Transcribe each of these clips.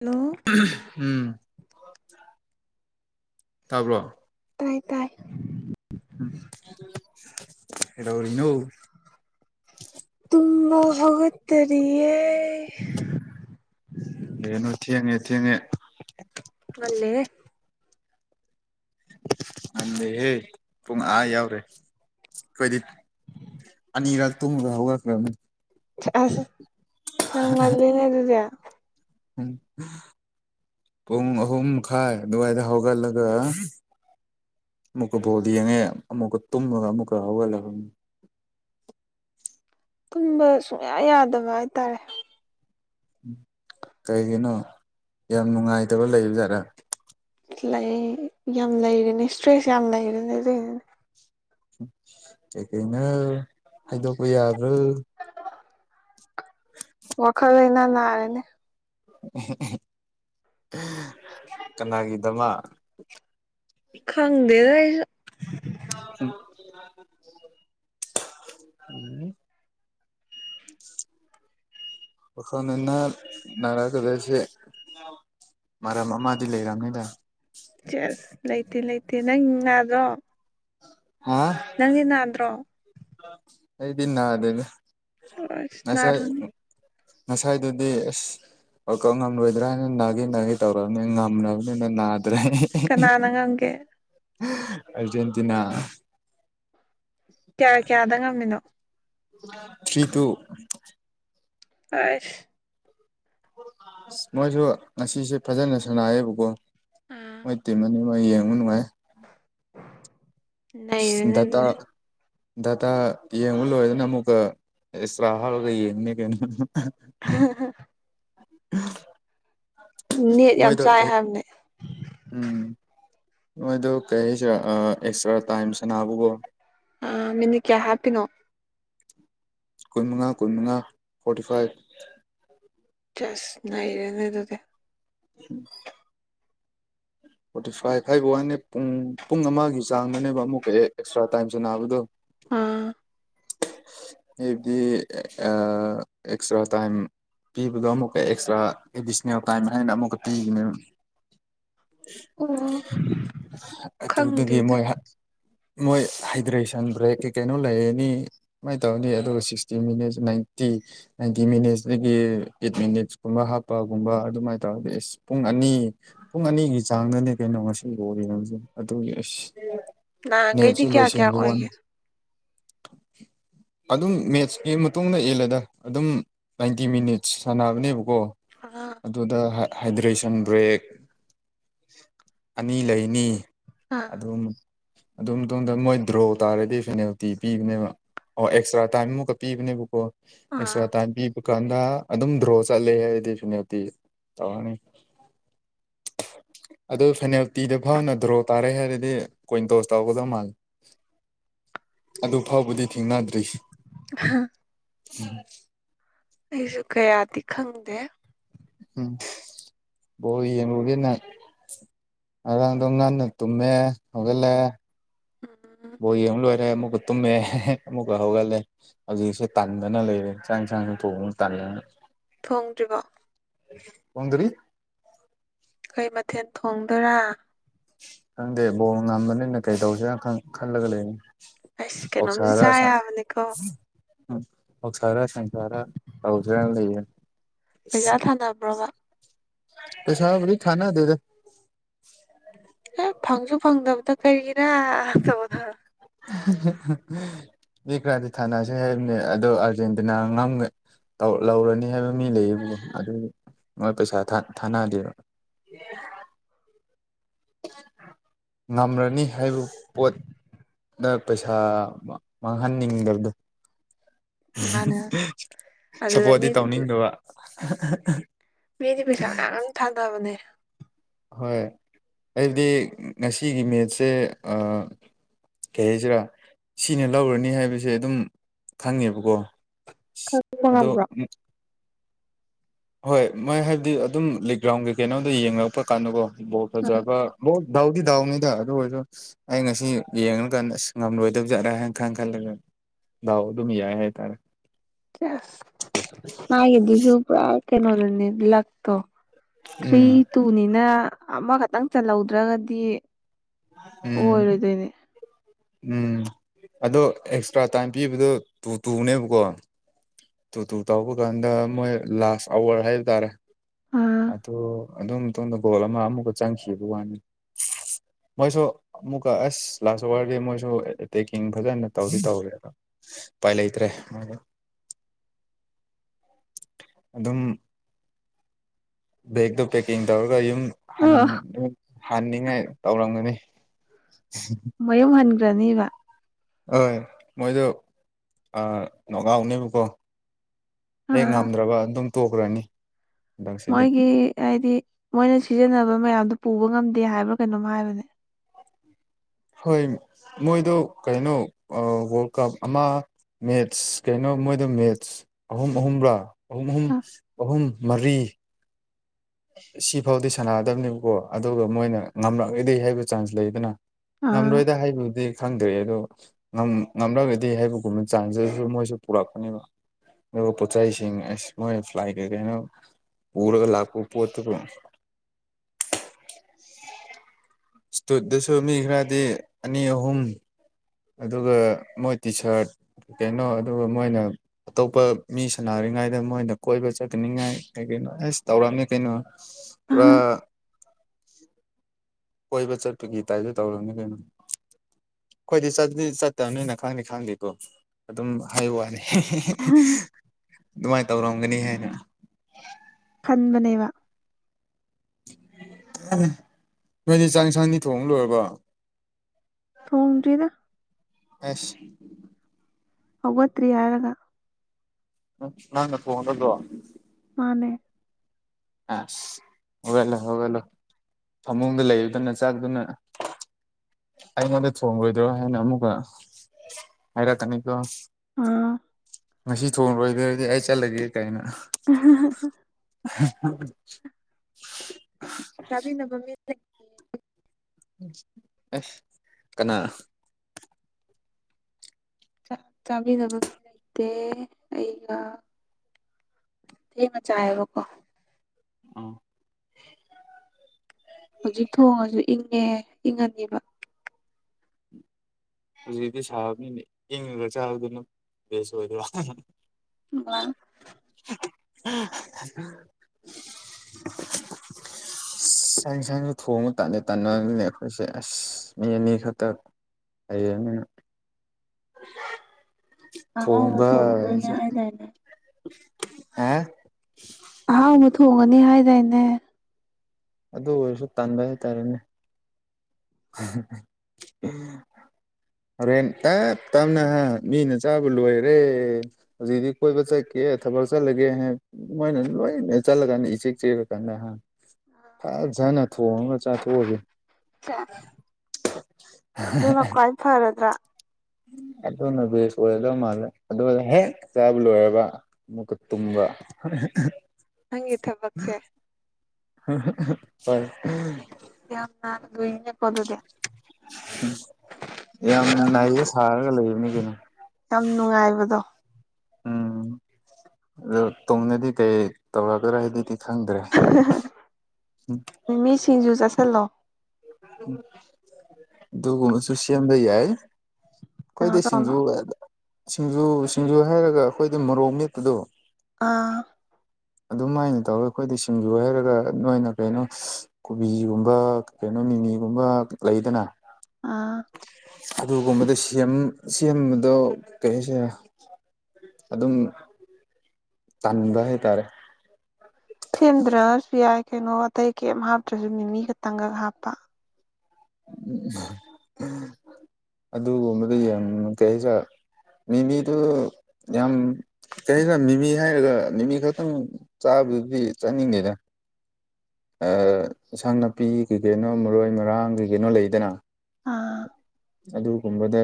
hello ꯎꯝ ꯇꯥꯕ꯭ꯔꯣ ꯇꯥꯏ ꯇꯥꯏ ꯔꯧꯔꯤꯅꯣ ꯇꯨꯃ ꯍꯒ ꯇꯔꯤꯑꯦ ꯍꯅ ꯊꯦꯡꯉꯦ ꯊꯦꯡꯉꯦ ꯃꯂꯦꯅꯦ ꯑ ꯍꯦ ꯄꯨꯡꯨꯡ ꯑꯥ ꯌꯥꯎꯔꯦ ꯀꯗꯤ ꯑꯅꯤ ꯏꯔ ꯇꯣ ꯃꯒ ꯍꯒ ꯀ꯭ꯔ ꯅꯪꯅꯦ ꯑꯗꯨ ꯑꯗꯨꯗ ꯎꯝ ꯍ ꯍ ꯈꯥꯏ ꯋꯥꯏꯗ ꯍꯧꯒꯂꯒ ꯑꯃꯨꯛꯀ ꯕꯣꯜ ꯌꯦꯡꯉꯦ ꯑꯃꯨꯛꯀ ꯇꯨꯝꯃꯒ ꯑꯃꯨꯛꯀ ꯍꯧꯒꯠꯂꯛꯕꯅꯤ ꯇꯨꯝꯕ ꯁꯨꯡꯌꯥ ꯌꯥꯗꯕ ꯍꯥꯏꯇꯥꯔꯦ ꯎ ꯀꯩꯒꯤꯅꯣ ꯌꯥꯝ ꯅꯨꯡꯉꯥꯏꯇꯕ ꯂꯩꯕ ꯖꯥꯠꯔꯥ ꯂ ꯌꯥꯝ ꯂꯩꯔꯦꯅꯦ ꯏꯁꯇ꯭ꯔꯦꯁ ꯌꯥꯝ ꯂꯩꯔꯦꯅꯦꯗꯅꯦ ꯑꯩꯈꯅ ꯈꯥꯏꯗꯣ ꯀꯌꯥꯔ ꯋꯥꯈꯜꯅ ꯅꯥꯔꯅꯦ ꯀꯅꯥꯒꯤꯗꯃ ꯈꯪꯗꯦ ꯑꯩ [unintelligible] ꯋꯥꯈꯅꯥ ꯔ ꯀꯗꯁ ꯃꯔꯝ ꯑꯃꯗꯤ ꯂꯩꯔꯝꯅꯤꯗ ꯆꯁ ꯂꯩꯇꯦ ꯂꯩꯇꯦ ꯅꯪ ꯉꯥꯗ꯭ꯔꯣ ꯑ ꯅꯪꯗꯤ ꯅꯥꯟꯗ꯭ꯔꯣ ꯑꯩꯗꯤꯟꯗ ꯑꯁ ꯑꯗꯨꯁꯥꯏ ꯅꯥꯔꯨꯅꯤ ꯉꯁꯥꯏꯗꯨꯗꯤ ꯑꯁ ꯑꯣ ꯀꯧ ꯉꯝꯂꯣꯏꯗ꯭ꯔ ꯍꯥꯏꯅ ꯅꯥꯒꯤ ꯅꯥꯒꯤ ꯇꯧꯔꯕꯅꯤꯅ ꯉꯝꯕꯅꯤꯅ ꯅꯥꯗ꯭ꯔꯦ ꯀꯅꯥꯅ ꯉꯝꯒꯦ ꯑꯔꯖꯦꯟꯇꯤꯅꯥ ꯀꯌꯥ ꯀꯌꯥꯗ ꯉꯝꯃꯤꯅꯣ ꯊ꯭ꯔꯤ ꯇꯨ ꯑꯁ ꯃꯣꯏꯁꯨ ꯉꯁꯤꯁꯦ ꯐꯖꯅ ꯁꯥꯟꯅꯥꯌꯦꯕꯀꯣ ꯑꯥ ꯃꯣꯏ ꯇꯤꯝꯃꯅꯤ ꯅꯨꯡꯉꯥꯏ ꯌꯦꯡꯉꯨ ꯅꯨꯡꯉꯥꯏ ꯅꯩꯔꯦꯅꯦ ꯗꯇꯥ ꯑꯗꯨꯗꯤ ꯗꯇꯥ ꯌꯦꯡꯕ ꯂꯣꯏꯔꯗꯅ ꯑꯃꯨꯛꯀ ꯑꯦꯁꯔꯥ ꯍꯜꯒ ꯏꯅꯤ ꯀ ꯍ ꯎ ꯅꯦꯠ ꯌꯥꯝ ꯆꯥꯏ ꯍꯥꯏꯕꯅꯦ ꯎꯝ ꯃꯣꯏꯗꯣ ꯀꯔꯤ ꯍꯥꯏꯁꯤꯔ ꯑꯦꯛꯁꯇ꯭ꯔꯥ ꯇꯥꯏꯝ ꯁꯅꯥꯕꯨꯕꯣ ꯑ ꯃꯤꯅꯤ ꯀꯌꯥ ꯍꯥꯄꯤꯅꯣ ꯀꯨꯟꯃꯉꯥ ꯀꯨꯟꯃꯉꯥ ꯐꯣꯔꯇꯤ ꯐꯥꯏꯚ ꯆꯁ ꯅꯥꯏꯔꯅꯦ ꯑꯗꯨꯗ ꯎ ꯐꯣꯔꯇꯤ ꯐꯥꯏꯚ ꯍꯥꯏꯕ ꯋꯥꯅꯦ ꯄꯨꯡ ꯄꯨꯡ ꯑꯃꯒꯤ ꯆꯥꯡꯗꯅꯦꯕ ꯑꯃꯨꯛ ꯀꯛꯑꯦ ꯑꯦꯛꯁꯇ꯭ꯔꯥ ꯇꯥꯏꯝꯁꯦ ꯅꯥꯕꯗꯣ ꯑꯥ ꯏꯕꯗꯤ ꯑ ꯑ ꯑꯦꯛꯁꯇ꯭ꯔꯥ ꯇꯥꯏꯝ ꯄꯤꯕꯗꯣ ꯑꯃꯨꯛꯀ ꯑꯦꯛꯁꯇ꯭ꯔꯥ ꯑꯦꯗꯤꯁꯅꯦꯜ ꯇꯥꯏꯝ ꯍꯥꯏꯅ ꯑꯃꯨꯛꯀ ꯄꯤꯕꯅꯦꯕ ꯑꯣ ꯑꯗꯨꯗꯒꯤ ꯈꯪꯗꯦꯗ ꯃꯣꯏ ꯃꯣꯏ ꯍꯥꯏꯗ꯭ꯔꯦꯁꯟ ꯕ꯭ꯔꯦꯛ ꯀꯩ ꯀꯩꯅꯣ ꯂꯩꯔꯅꯤ ꯁꯨꯃꯥꯏꯅ ꯇꯧꯔꯅꯤ ꯑꯗꯨꯒ sixty minutes ninety ninety minutes ꯇꯒꯤ ꯑꯦꯠ ꯃꯤꯅꯤꯠꯁ ꯀꯨꯝꯕ ꯍꯥꯞꯄꯒꯨꯝꯕ ꯑꯗꯨꯃꯥꯏ ꯇꯧꯔꯗꯤ ꯑꯁ ꯄꯨꯡ ꯑꯅꯤ ꯄꯨꯡ ꯑꯅꯤꯒꯤ ꯆꯥꯡꯗꯅꯦ ꯀꯩꯅꯣ ꯉꯁꯤ ꯂꯣꯔꯤꯁꯦ ꯑꯗꯨꯒꯤ ꯑꯁ ꯅꯦꯠꯁꯨ ꯅꯍꯥꯟꯈꯩꯗꯤ ꯀꯌꯥ ꯀꯌꯥ ꯂꯣꯏꯁꯤꯟꯕ ꯋꯥꯅꯤ ꯑꯣꯏꯒꯦ ꯑꯗꯨꯝ ꯃꯦꯠꯁꯀꯤ ꯃꯇꯨꯡꯗ ꯏꯟꯂꯦꯗꯥ ꯑꯗꯨꯝ ꯅꯥꯏꯟꯇꯤ ꯃꯤꯅꯤꯠꯁ ꯁꯥꯟꯅꯕꯅꯦꯕꯀꯣ ꯑꯣ [unintelligible] ꯑꯗꯨꯗ ꯍꯥꯏꯗ꯭ꯔꯦꯁꯟ ꯕ꯭ꯔꯦꯛ ꯑꯅꯤ ꯂꯩꯅꯤ ꯑꯥ ꯑꯗꯨ ꯗꯨꯝ ꯗꯨ ꯃꯣꯏ ꯗ꯭ꯔꯣ ꯇꯥꯔꯗꯤ ꯄꯦꯅꯥꯜꯇꯤ ꯄꯤꯕꯅꯦꯕ ꯑꯣ ꯑꯦꯛꯁꯇ꯭ꯔꯥ ꯇꯥꯏꯝ ꯑꯃꯨꯛꯀ ꯄꯤꯕꯅꯦꯕꯀꯣ ꯑꯥ ꯑꯦꯛꯁꯇ꯭ꯔꯥ ꯇꯥꯏꯝ ꯄꯤ ꯗꯨꯀꯥꯟꯗ ꯑꯗꯨꯝ ꯗ꯭ꯔꯣ ꯆꯠꯂꯦ ꯍꯥꯏꯗꯤ ꯄꯦꯅꯥꯜꯇꯤ ꯇꯧꯔꯅꯤ [inaudible] ꯑꯗꯨ ꯐꯦꯅꯥꯜꯇꯤꯗ ꯐꯥꯎꯅ ꯗ꯭ꯔꯣ ꯇꯥꯔꯦ ꯍꯥꯏꯔꯗꯤ ꯀꯣꯏꯟ ꯇꯣꯁ ꯇꯧꯒꯗꯧ ꯃꯥꯜꯂꯦ ꯑꯗꯨ ꯐꯥꯎꯕꯗꯤ ꯊꯦꯡꯅꯗ꯭ꯔꯤ ꯍꯥ [unintelligible] ꯎꯝ [inaudible] ꯑꯩꯁꯨ ꯀꯌꯥꯗꯤ ꯈꯪꯗꯦ ꯎꯝ ꯕꯣꯜ ꯌꯦꯡꯂꯨꯒꯦꯅ ꯉꯔꯥꯡꯗꯣ ꯉꯟꯅ ꯇꯨꯝꯃꯦ ꯍꯧꯂꯦ ꯎꯝ ꯣꯣꯌ ꯑꯣꯏꯔ [unintelligible] ꯇꯨꯝꯃꯦ ꯑꯃꯨꯛꯀ ꯍꯧꯒꯠꯂꯦ ꯍꯧꯖꯤꯛꯁꯦ ꯇꯟꯗꯅ ꯂꯩꯔꯦ ꯆꯥꯛ ꯌꯦꯟꯁꯥꯡꯁꯨ ꯊꯣꯡꯕ ꯇꯥꯟꯗꯅ ꯊꯣꯡꯗ꯭ꯔꯤꯕꯣ ꯊꯣꯡꯗ꯭ꯔꯤ ꯀꯩ ꯃꯊꯦꯜ ꯊꯣꯡꯗꯣꯏꯔꯥ ꯈꯪꯗꯦ ꯕꯣꯜ ꯉꯝꯕꯅꯤꯅ ꯀꯩ ꯇꯧꯁꯤꯔꯥ ꯈꯜ ꯈꯜꯂꯒ ꯂꯩꯅꯤ ꯑꯁ ꯀꯩꯅꯣꯝꯗꯤ ꯑꯣꯛꯁꯔꯥ ꯆꯥ ꯌꯥꯕꯅꯤꯀꯣ ꯑꯣꯀꯁꯔꯥ ꯁꯟꯁꯔꯥ ꯇꯧꯁꯦꯔꯥ ꯂꯩꯦ ꯄꯩꯁꯥ ꯊꯥꯅꯕ꯭ꯔꯥꯕ ꯄꯩꯁꯥꯕꯨꯗꯤ ꯊꯥꯟꯅꯗꯦꯗꯥ ꯑꯦ ꯐꯪꯁꯨ ꯐꯪꯗꯕꯗ ꯀꯔꯤꯒꯤꯔꯥ ꯃꯤ ꯈꯔ꯭ꯗꯤ ꯊꯥꯅꯁ ꯍꯥꯏꯕꯅꯦ ꯑꯗꯣ ꯑꯥꯔꯖꯦꯟꯇꯤꯅꯥ ꯉꯝ ꯇꯧ-ꯂꯧꯔꯅꯤ ꯍꯥꯏꯕ ꯃꯤ ꯂꯩꯌꯦꯕꯣ ꯑꯗꯨ ꯅꯣꯏ ꯄꯩꯁꯥ ꯊꯥꯅꯗꯦꯕ ꯉꯝꯂꯅꯤ ꯍꯥꯏꯕ ꯄꯣꯠ ꯅꯪ ꯄꯩꯁꯥ ꯃꯥꯡꯍꯟꯅꯤꯡꯗꯕꯗꯣ ꯃꯥꯅꯦ ꯑꯗꯨꯗ ꯁꯞꯄꯣꯔꯗꯤꯇꯤ ꯃꯤꯗꯤ ꯇꯧꯅꯤꯡꯗꯕ ꯃꯤꯗꯤ ꯄꯩꯁꯥ ꯃꯌꯥꯝ ꯃꯌꯥꯝ ꯊꯥꯅꯕꯅꯦ ꯍꯣꯏ ꯑꯩꯗꯤ ꯉꯁꯤꯒꯤ ꯃꯦꯠꯁꯦ ꯑꯥ ꯀꯩ ꯍꯥꯏꯁꯤꯔꯥ ꯁꯤꯅ ꯂꯧꯔꯅꯤ ꯍꯥꯏꯕꯁꯦ ꯑꯗꯨꯝ ꯈꯪꯉꯦꯕꯀꯣ ꯈꯪꯕ ꯑꯗꯣ ꯉꯝꯕ꯭ꯔꯣ ꯎꯝ ꯍꯣꯏ ꯃꯣꯏ ꯍꯥꯏꯕꯗꯤ ꯑꯗꯨꯝ ꯂꯤꯛ ꯒ꯭ꯔꯥꯎꯟꯒꯤ ꯀꯩꯅꯣꯝꯗ ꯌꯦꯡꯂꯛꯄ ꯀꯥꯟꯗꯀꯣ ꯕꯣꯜ ꯑ ꯐꯖꯕ ꯂꯣꯏ ꯗꯥꯎꯗꯤ ꯗꯥꯎꯅꯤꯗ ꯑꯗꯨ ꯑꯣꯏꯁꯨ ꯑꯩ ꯉꯁꯤ ꯌꯦꯡꯀꯥꯟꯗ ꯑꯁ ꯉꯝꯂꯣꯏꯗꯕ ꯖꯥꯠ꯭ꯔꯥ ꯍꯥꯏꯅ ꯈ ꯈꯜꯂꯒ ꯗꯥꯑꯣ ꯑꯗꯨꯝ ꯌꯥꯏ ꯍꯥꯏꯇꯥꯔꯦ ꯃꯥ ꯑꯗꯨꯁꯨ ꯄꯨ꯭ꯔꯥ ꯀꯦꯅꯣꯗꯅꯤ ꯏ ꯂꯥꯛꯇꯣ ꯊ꯭ꯔꯤ ꯎꯝ ꯇꯨꯅꯤꯅ ꯑꯃꯈꯛꯇꯪ ꯆꯜꯍꯧꯗ꯭ꯔꯒꯗꯤ ꯎꯝ ꯑꯣꯏꯔꯣꯏꯗꯣꯏꯅꯦ ꯎꯝ ꯑꯗꯣ ꯑꯦꯛꯁꯇ꯭ꯔꯥ ꯇꯥꯏꯝ ꯄꯤꯕꯗꯣ ꯇꯨ ꯇꯨꯅꯦꯕꯀꯣ ꯇꯨ ꯇꯨ ꯇꯕ ꯀꯥꯟꯗ ꯃꯣꯏ ꯂꯥꯁ ꯑꯋꯥꯔ ꯍꯥꯏꯕ ꯇꯥꯔꯦ ꯑꯥ ꯑꯗꯨ ꯑꯗꯨꯣꯝꯇꯣꯝꯗ ꯒꯣꯜ ꯑꯃꯨꯛꯀ ꯆꯪꯈꯤꯕ ꯋꯥꯅꯤ ꯃꯣꯏꯁꯨ ꯑꯃꯨꯛꯀ ꯑꯁ ꯂꯥꯁ ꯑꯋꯥꯔꯗꯤ ꯃꯣꯏꯁꯨ ꯑꯦ ꯇꯦꯛꯀꯤꯡ ꯐꯖꯅ ꯇꯧꯗꯤ ꯇꯧꯔꯦꯗ ꯄꯥꯏ ꯂꯩꯇ꯭ꯔꯦ ꯃꯥꯦ ꯑꯗꯨꯝ ꯕꯦꯒꯛꯇꯣ ꯄꯦꯛꯀꯤꯡ ꯇꯧꯔꯒ ꯌꯨꯝ ꯑ ꯍꯟꯅꯤꯡꯉꯥꯏ ꯇꯧꯔꯝꯒꯅꯤ ꯃꯌꯨꯝ ꯍꯟꯈ꯭ꯔꯅꯦꯕ ꯍꯣꯏ ꯃꯣꯏꯗ ꯅꯒꯥꯎꯅꯦꯕꯀꯣ ꯍꯦꯛ ꯑꯥ ꯉꯝꯗ꯭ꯔꯕ ꯑꯗꯨꯝ ꯇꯣꯛꯈ꯭ꯔꯅꯤ ꯍꯟꯗꯛꯁꯤꯗꯤ ꯃꯣꯏꯒꯤ ꯍꯥꯏꯗꯤ ꯃꯣꯏꯅ ꯁꯤꯖꯤꯟꯅꯕ ꯃꯌꯥꯝꯗꯣ ꯄꯨꯕ ꯉꯝꯗꯦ ꯍꯥꯏꯕ꯭ꯔꯥ ꯀꯩꯅꯣꯝ ꯍꯥꯏꯕꯅꯦ ꯍꯣꯏ ꯃꯣꯏꯗꯣ ꯀꯩꯅꯣ ꯋꯥꯔꯜ ꯀꯞ ꯑꯃ ꯃꯦꯠꯁ ꯀꯩꯅꯣ ꯃꯣꯏꯗ ꯃꯦꯠꯁ ꯑꯍꯨꯝ ꯑꯍꯨꯝꯔ ꯑꯍꯨꯝ ꯑꯍꯨꯝ ꯑ ꯑꯍꯨꯝ ꯃꯔꯤ ꯁꯤ ꯐꯥꯎꯗꯤ ꯁꯥꯟꯅꯗꯕꯅꯦꯕꯀꯣ ꯑꯗꯨꯒ ꯃꯣꯏꯅ ꯉꯝꯂꯛꯑꯗꯤ ꯍꯥꯏꯕ ꯆꯥꯟꯁ ꯂꯩꯗꯅ ꯑꯥ ꯉꯝꯂꯣꯏꯗ ꯍꯥꯏꯕꯕꯨꯗꯤ ꯈꯪꯗ꯭ꯔꯦ ꯑꯗꯣ ꯉꯝꯂꯒꯗꯤ ꯍꯥꯏꯕꯒꯨꯝꯕ ꯆꯥꯟꯁꯁꯨ ꯃꯣꯏꯁꯨ ꯄꯨꯔꯛꯄꯅꯦꯕ ꯑꯗꯨꯒ ꯄꯣꯠ ꯆꯩꯁꯤꯡ ꯑꯁ ꯃꯣꯏ ꯐ꯭ꯂꯥꯏ ꯀꯩꯀꯩꯅꯣ ꯄꯨꯔꯒ ꯂꯥꯛꯄ ꯄꯣꯠꯇꯨꯕꯨ ꯏꯁꯇꯨꯠꯗꯨꯁꯨ ꯃꯤ ꯈꯔꯗꯤ ꯑꯅꯤ ꯑꯍꯨꯝ ꯑꯗꯨꯒ ꯃꯣꯏ ꯇꯤ ꯁꯥꯔꯠ ꯀꯩꯅꯣ ꯑꯗꯨꯒ ꯃꯣꯏꯅ ꯑꯇꯣꯞꯄ ꯃꯤ ꯁꯥꯟꯅꯔꯤꯉꯩꯗ ꯃꯣꯏꯅ ꯀꯣꯏꯕ ꯆꯠꯀꯅꯤꯉꯥꯏ ꯀꯩꯒꯤꯅꯣ ꯑꯦꯁ ꯇꯧꯔꯝꯃꯤ ꯀꯩꯅꯣ ꯄꯨꯔꯥ ꯀꯣꯏꯕ ꯆꯠꯄꯒꯤꯗꯥꯥꯏꯗ [unintelligible] ꯇꯧꯔꯅꯤ ꯀꯩꯅꯣ ꯑꯩꯈꯣꯏꯗꯤ ꯆꯗꯤ ꯆꯠꯇꯕꯅꯤꯅ ꯈꯪꯗꯤꯈꯪꯗꯦꯀꯣ ꯑꯗꯨꯝ ꯍꯥꯏꯕ ꯋꯥꯅꯤ ꯑꯗꯨꯃꯥꯏꯅ ꯇꯧꯔꯝꯒꯅꯤ ꯍꯥꯏꯅ ꯈꯟꯕꯅꯦꯕ ꯅꯣꯏꯗꯤ ꯆꯥꯡꯁꯥꯡꯗꯤ ꯊꯣꯡꯕ ꯂꯣꯏꯔꯕꫭ ꯊꯣꯡꯗꯔꯤꯗ ꯑꯁ ꯍꯧꯒꯠꯇ꯭ꯔꯤ ꯌꯥꯔꯒ ꯅꯪꯅ ꯊꯣꯡꯒꯗ꯭ꯔꫭ ꯃꯥꯅꯦ ꯑꯁ ꯍꯒꯠꯂꯣ ꯍꯒꯠꯂꯣ ꯐꯃꯨꯡꯗ ꯂꯩꯕꯗꯨꯅ ꯆꯥꯛꯗꯨꯅ ꯑꯩꯉꯣꯟꯗ ꯊꯣꯡꯉꯣꯏꯗ꯭ꯔꯣ ꯍꯥꯏꯅ ꯑꯃꯨꯛꯀ ꯍꯥꯏꯔꯛꯀꯅꯤꯀꯣ ꯑꯥ ꯉꯁꯤ ꯊꯣꯡꯡꯂꯣꯏꯗꯔꯗꯤ ꯑꯩ ꯆꯠꯂꯒꯦ ꯀꯥꯏꯅ [unintelligible] [unintelligible] ꯇꯥꯕꯤꯅ ꯃꯤ [unintelligible] ꯑꯁ ꯀꯅꯥ ꯆꯥꯛ ꯆꯥꯕꯤꯅꯕ ꯃꯤ ꯂꯩꯇꯦ ꯑꯩꯒ ꯊ‌ꯦꯡꯅ ꯆꯥꯏꯑ‌ꯦꯕꯀꫭ ꯎꯝ ꯍꯧꯖꯤꯛ ꯊꯣꯡꯉꯁꯨ ꯏꯪ ꯅꯦ ꯏꯪꯉꯅꯤꯕ ꯍꯧꯖꯤꯛꯇꯤ ꯁꯥꯕꯅꯤꯅ ꯏꯪꯉꯒ ꯆꯥꯕꯗꯨꯅ ꯕꯦꯁ ꯑꯣꯏꯗ꯭ꯔꫭ ꯋꯥ [unintelligible] ꯎ ꯊ [unintelligible] [inaudible] ꯑꯁ ꯆꯥꯛ ꯏꯟꯁꯥꯡꯗꯣ ꯊꯣꯡꯕ ꯇꯟꯗꯤ ꯇꯥꯟꯅꯅꯦ ꯑꯩꯈꯣꯏꯁꯦ ꯑꯁ ꯃꯤ ꯑꯅꯤ ꯈꯛꯇ ꯂꯩꯔꯃꯤꯅ ꯑꯍꯥꯎꯕ ꯊ‌ꫭꯡꯕ‌ꯍꯥꯏꯁ‌ꯦ [unintelligible] ꯍꯥ ꯑꯍꯥꯎꯕ ꯊꯣꯡꯉꯅꯤ ꯍꯥꯏꯗꯥꯏꯅꯦ ꯑꯗꯨ ꯑꯣꯏꯔꯁꯨ ꯇꯟꯕꯥ ꯍꯥꯏꯇꯥꯔꯦꯅꯦ [unintelligible] ꯍꯣꯔꯦꯟ ꯇꯞ ꯇꯞꯅ ꯃꯤꯅ ꯆꯥꯕ ꯂꯣꯏꯒꯔ‌ꯦ ꯍꯧꯖꯤꯛꯗꯤ ꯀꯣꯏꯕꯥ ꯆꯠꯀꯦ ꯊꯥꯕꯥꯛ ꯆꯠꯂꯥꯒꯦ ꯃꯣꯏꯅ ꯂꯣꯏ ꯆꯠꯂꯀꯥꯟꯗ ꯏꯆꯤꯛ ꯆꯤꯛꯔꯥ ꯀꯥꯟꯗꯥ ꯍꯥ ꯐꯖꯅ ꯊꯣꯡꯉꯥꯒ ꯆꯥꯊꯣꯛꯑꯒꯦ ꯁꯦꯁ [unintelligible] ꯑꯗꯨꯅ ꯈ꯭ꯋꯥꯏ ꯐꯔꯗ꯭ꯔꯥ ꯑꯗꯨꯅ ꯕꯦꯁ ꯑꯣꯏꯔꯗ ꯃꯥꯜꯂꯦ ꯑꯗꯨꯅꯥ ꯍꯦꯛ ꯆꯥꯕ ꯂꯣꯏꯔꯕ ꯑꯃꯨꯛꯀꯥ ꯇꯨꯝꯕ ꯅꯪꯒꯤ ꯊꯥꯕꯛꯁꯦ ꯍꯣꯏ ꯌꯥꯝꯅ ꯂꯨꯏꯅ‌ꯦꯀ‌ꯣ ꯑꯗꯨꯗꯤ ꯌꯥꯝ ꯅꯩꯕꯥ ꯁꯥꯔꯒ ꯂꯩꯕꯅꯤ ꯀꯩꯅꯣ ꯌꯥꯝ ꯅꯨꯡꯉꯥꯏꯕꯗꯣ ꯎꯝ ꯑꯗꯨ ꯇꯨꯝꯃꯥꯗꯤ ꯀꯩ ꯇꯧꯔꯛꯀ꯭ꯗꯔꯥ ꯍꯥꯏꯗꯨꯗꯤ ꯈꯪꯗ꯭ꯔꯦ ꯃꯤꯃꯤ ꯁꯤꯡꯖꯨ ꯆꯥꯁꯜꯂꯣ ꯑꯗꯨꯒꯨꯝꯕꯥꯁꯨ ꯁꯦꯝꯕꯥ ꯌꯥꯏ ꯀꯩꯅꯣ ꯑꯩꯈꯣꯏꯗꯤ ꯇꯧꯅꯣ ꯁꯤꯡꯖꯨ ꯁꯤꯡꯖꯨ ꯁꯤꯡꯖꯨ ꯍꯥꯏꯔꯒ ꯑꯩꯈꯣꯏꯗꯤ ꯃꯣꯔꯣꯛ ꯃꯦꯠꯄꯗꯣ ꯑꯥ ꯑꯗꯨꯃꯥꯏꯅ ꯇꯧꯔꯒ ꯑꯩꯈꯣꯏꯗꯤ ꯁꯤꯡꯖꯨ ꯍꯥꯏꯔꯒ ꯅꯣꯏꯅ ꯀꯩꯅꯣ ꯀꯣꯕꯤꯒꯨꯝꯕ ꯀꯩꯅꯣ ꯃꯤꯃꯤꯒꯨꯝꯕ ꯂꯩꯗꯅ ꯑꯥ ꯑꯗꯨꯒꯨꯝꯕꯗꯥ ꯁꯦꯝ ꯁꯦꯝꯕꯗꯣ ꯀꯩ ꯍꯥꯏꯁꯤꯔꯥ ꯑꯗꯨꯝ ꯇꯥꯟꯕ ꯍꯥꯏꯇꯥꯔꯦ ꯁꯦꯝꯗ꯭ꯔꯁꯨ ꯌꯥꯏ ꯀꯩꯅꯣ ꯑꯇꯩ ꯀꯩꯝ ꯍꯥꯞꯇ꯭ꯔꯁꯨ ꯃꯤ ꯃꯤ ꯈꯇꯪꯈꯛ ꯍꯥꯞꯄ ꯎꯝ ꯑꯗꯨꯒꯨꯝꯕꯗꯣ ꯌꯥꯝ ꯀꯩꯍꯥꯏꯁꯤꯔꯥ ꯃꯤꯃꯤꯗꯨ ꯌꯥꯝ ꯀꯩꯅ‌ꯣ ꯃꯤꯃꯤ ꯍꯥꯏꯔꯒ ꯃꯤꯃꯤ ꯈꯛꯇꯪ ꯆꯥꯕꯗꯨꯗꯤ ꯆꯥꯅꯤꯡꯗꯦꯗ ꯏꯟꯁꯥꯡ ꯅꯥꯄꯤ ꯀꯩ ꯀꯩꯅꯣ ꯃꯔꯣꯏ ꯃꯔꯥꯡ ꯀꯩ ꯀꯩꯅꯣ ꯂꯩꯗꯅ ꯑꯥ ꯑꯗꯨꯒꯨꯝꯕꯗ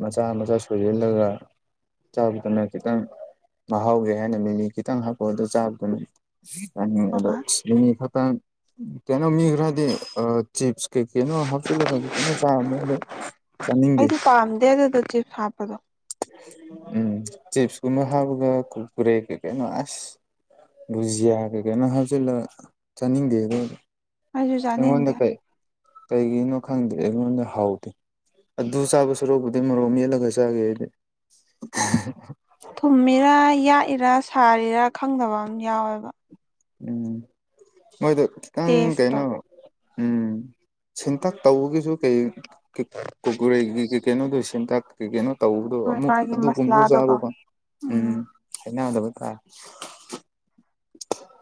ꯃꯆꯥ ꯃꯆꯥ ꯁꯣꯏꯖꯜꯂꯒ ꯆꯥꯕꯗꯅ ꯈꯤꯇꯪ ꯃꯍꯥꯎꯒꯤ ꯍꯥꯏꯅ ꯃꯤꯃꯤ ꯈꯤꯇꯪ ꯍꯥꯞꯄꯒ ꯆꯥꯕꯗꯨꯅ ꯆꯥꯅꯤꯡꯉ‌ꯦ ꯑꯗ‌ꯣ ꯍꯣꯏ ꯃꯤꯃꯤ ꯈꯤꯇꯪ ꯀꯩꯅꯣ ꯃꯤ ꯈ꯭ꯔꯥꯗꯤ ꯑꯥ ꯆꯤꯞꯁ ꯀꯩ ꯀꯩꯅꯣ ꯍꯥꯞꯆꯤꯜꯂꯒ ꯀꯩꯅꯣ ꯆꯥꯕꯅꯤ ꯑꯗꯣ ꯆꯥꯅꯤꯡꯗꯦ ꯑꯩꯗꯤ ꯄꯥꯝꯗꯦ ꯑꯗꯨꯗ‌ꯣ ꯆꯤꯞꯁ ꯍꯥꯞꯄꯗꯣ ꯎꯝ ꯆꯤꯞꯁ ꯀꯨꯝꯕꯥ ꯍꯥꯞꯄꯒ ꯀꯨꯀꯨꯔꯦ ꯀꯩ ꯀꯩꯅꯣ ꯑꯁ ꯕꯨꯖꯤꯌꯥ ꯀꯩ ꯀꯩꯅꯣ ꯍꯥꯞꯆꯤꯜꯂꯒꯥ ꯆꯥꯅꯤꯡꯗꯦ ꯑꯗꯨ ꯑꯩꯁꯨ ꯑꯩꯉꯣꯟꯗꯥ ꯆꯥꯅꯤꯡꯗꯦ ꯀꯩ ꯀꯩꯒꯤꯅꯣ ꯈꯪꯗꯦ ꯑꯩꯉꯣꯟꯗ ꯍꯥꯎꯇ‌ꯦ ꯑꯗꯨ ꯆꯥꯕ ꯁꯔꯨꯛꯄꯨꯗꯤ ꯃꯔꯣꯛ ꯃꯦꯠꯂꯒ ꯆꯥꯒꯦ ꯑꯩꯗꯤ ꯊꯨꯝꯃꯤꯔꯥ ꯌꯥꯛꯏꯔꯥ ꯁꯥꯔꯤꯔꯥ ꯈꯪꯗꯕ ꯑꯃ ꯌꯥꯎꯋꯦꯕ ꯎꯝ ꯃꯣꯏꯗꯣ ꯈꯤꯇꯪ ꯇꯦꯁꯇꯣ ꯀꯩꯅꯣ ꯎꯝ ꯁꯤꯟꯇꯛ ꯇꯧꯕꯒꯤꯁꯨ ꯀꯩ ꯀꯨ ꯀꯨꯀꯨꯔꯦꯒꯤꯗꯤ ꯀꯩꯅꯣꯗꯣ ꯁꯤꯟꯇꯥꯛ ꯀꯩ ꯀꯩꯅꯣ ꯇꯧꯕꯗꯣ ꯍꯣꯏ ꯑꯃꯨꯛ ꯃꯥꯒꯤ ꯑꯗꯨꯒꯨꯝꯕꯗꯨ ꯃꯁꯂꯥꯗꯣꯀꯣ ꯆꯥꯕꯀꯣ ꯎꯝ ꯍꯩꯅꯗꯕꯥ ꯇꯥꯏ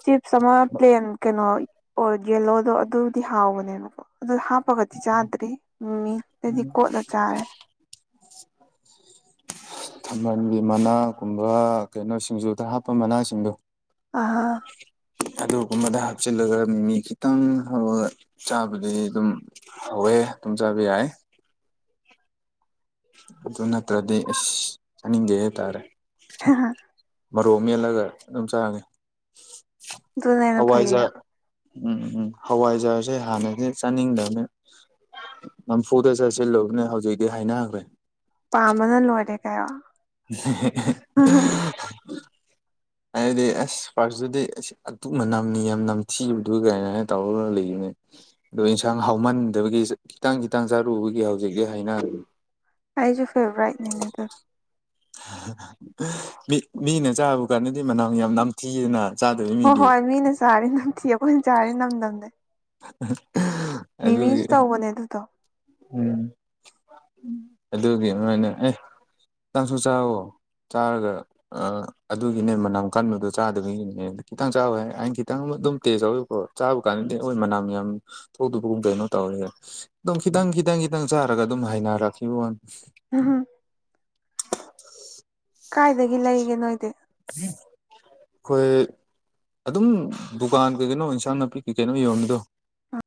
ꯆꯤꯞꯁ ꯑꯃ ꯄ꯭ꯂ‌ꯦꯟ ꯀꯩꯅꯣ ꯑꯣꯏ ꯌꯦꯂꯣꯗꯣ ꯑꯗꯨꯗꯤ ꯍꯥꯎꯕꯅꯦꯕꯀꯣ ꯑꯗꯨ ꯍꯥꯞ ꯄꯒꯗꯤ ꯆꯥꯗ꯭ꯔꯤ ꯃꯤꯃꯤꯒꯗꯤ ꯀꯣꯠꯂ ꯆꯥꯔꯦ ꯊꯝꯚꯥꯟꯒꯤ ꯃꯅꯥꯒꯨꯝꯕ ꯀꯩꯅꯣ ꯁꯤꯡꯖꯨꯗ ꯍꯥꯞꯄ ꯃꯅꯥꯁꯤꯡꯗꯣ ꯑꯍꯥ ꯑꯗꯨꯒꯨꯝꯕꯗ ꯍꯥꯞꯆꯤꯜꯂꯒ ꯃꯤ ꯃꯤ ꯈꯤꯇꯪ ꯍꯞꯔ ꯆꯥꯕꯗꯤ ꯑꯗꯨꯝ ꯍꯥꯎꯌꯦ ꯑꯗꯨꯝ ꯆꯥꯕ ꯌꯥꯏ ꯑꯗꯨ ꯅꯠꯇ꯭ꯔꯗꯤ ꯑꯁ ꯆꯥꯅꯤꯡꯗꯦ ꯍꯥꯏꯇꯥꯔꯦ ꯍꯥꯍꯥ ꯃ‌ꯔꯣꯛ ꯃꯦꯜꯂꯒ ꯑꯗꯨꯝ ꯆꯥꯔꯅꯤ ꯑꯗꯨꯅ ꯍꯦꯟꯅ ꯐꯩꯌꯦ ꯍꯋꯥꯏꯖꯥꯔ ꯎꯝ ꯎꯝ ꯍꯋꯥꯏꯖꯥꯔꯁꯦ ꯍꯥꯟꯅꯗꯤ ꯆꯥꯅꯤꯡꯗꯕꯅꯦ ꯅꯝꯐꯨꯗ ꯆꯥꯁꯤꯜꯂꯨꯕꯅꯦ ꯍꯧꯖꯤꯛꯇꯤ ꯍꯥꯏꯅꯈ꯭ꯔꯦ ꯄꯥꯝꯃꯅ ꯂꯣꯏꯔꯦ ꯀꯥꯏꯑꯣ [unintelligible] [inaudible] ꯍꯥꯏꯗꯤ ꯑꯁ ꯐꯥꯔꯁꯇꯨꯗꯤ ꯑꯁ ꯑꯗꯨꯛ ꯃꯅꯝ ꯅꯤꯌꯥꯝ ꯅꯝꯊꯤꯕꯗꯨ ꯀꯥꯏꯅꯅ ꯇꯧꯔ ꯂꯩꯕꯅꯦ ꯑꯗꯣ ꯏꯟꯁꯥꯡ ꯍꯥꯎꯃꯟꯗꯕꯒꯤ ꯆ ꯈꯤꯇꯪ ꯈꯤꯇꯪ ꯆꯥꯔꯨꯕꯒꯤ ꯍꯧꯖꯤꯛꯇꯤ ꯍꯥꯏꯅꯔꯦ ꯑꯩꯖꯨ ꯐꯦꯕꯣꯔꯥꯏꯠꯅꯤꯅꯦ ꯑꯗꯣ ꯃꯤ ꯃꯤꯅ ꯆꯥꯕ ꯀꯥꯟꯅꯗꯤ ꯃꯅꯝ ꯌꯥꯝ ꯅꯝꯊꯤꯌꯦꯅ ꯍꯣꯏ ꯍꯣꯏ ꯃꯤꯅ ꯆꯥꯔꯗꯤ ꯅꯝꯊꯤ ꯑꯩꯈꯣꯏꯅ ꯆꯥꯔꯗꯤ ꯅꯝꯗꯝꯅꯦ ꯑꯗꯨꯒꯤ ꯃꯤꯃꯤꯁꯨ ꯇꯧꯕꯅꯦ ꯑꯗꯨꯗꯣ ꯎꯝ ꯑꯗꯨꯒꯤ ꯑꯗꯨꯃꯥꯏꯅ ꯑꯦ ꯅꯪꯁꯨ ꯆꯥꯎꯑꯣ ꯆꯥꯔꯒ ꯑ ꯑꯗꯨꯒꯤꯅꯦ ꯃꯅꯝ ꯀꯟꯕꯗꯣ ꯆꯥꯗꯕꯒꯤꯅꯦ ꯈꯤꯇꯪ ꯆꯥꯑꯣ ꯍꯥꯏꯔꯦ ꯑꯩꯅ ꯈꯤꯇꯪ ꯑꯃ ꯑꯗꯨꯝ ꯇꯦꯁ ꯇꯧꯑꯦꯕꯀꯣ ꯆꯥꯕ ꯀꯥꯟꯗꯗꯤ ꯍꯣꯏ ꯃꯅꯥꯝ ꯌꯥꯝ ꯊꯣꯛꯗꯕꯒꯨꯝ ꯀꯩꯅꯣ ꯇꯧꯔꯦ ꯑꯗꯨꯝ ꯈꯤꯇꯪ ꯈꯤꯇꯪ ꯈꯤꯇꯪ ꯆꯥꯔꯒ ꯑꯗꯨꯝ ꯍꯥꯏꯅꯔꯛꯈꯤꯕꯋꯥꯟ [unintelligible] ꯀꯥꯏꯗꯒꯤ ꯂꯩꯒꯦ ꯅꯣꯏꯗꯤ ꯀꯣꯏ ꯑꯗꯨꯝ ꯗꯨꯀꯥꯟ ꯀꯩ ꯀꯩꯅꯣ ꯏꯟꯁꯥꯡ ꯅꯥꯄꯤ ꯀꯩ ꯀꯩꯅꯣ ꯌꯣꯝꯃꯤꯗꯣ